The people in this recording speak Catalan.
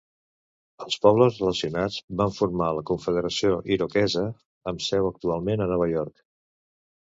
Els pobles relacionats van formar la Confederació Iroquesa amb seu actualment a Nova York.